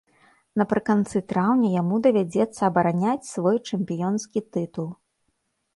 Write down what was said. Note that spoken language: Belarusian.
Напрыканцы траўня яму давядзецца абараняць свой чэмпіёнскі тытул.